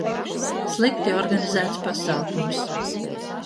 Slikti organizēts pasākums